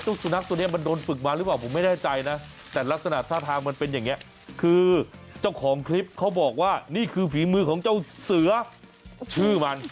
สุนัขตัวนี้มันโดนฝึกมาหรือเปล่าผมไม่แน่ใจนะแต่ลักษณะท่าทางมันเป็นอย่างนี้คือเจ้าของคลิปเขาบอกว่านี่คือฝีมือของเจ้าเสือชื่อมัน